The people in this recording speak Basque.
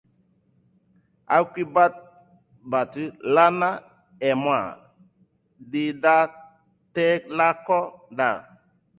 Aulki bat badut, lana eman didatelako da.